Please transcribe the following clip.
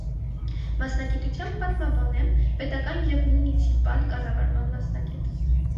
Մասնագիտությամբ՝ պատմաբան է, պետական և մունիցիպալ կառավարման մասնագետ։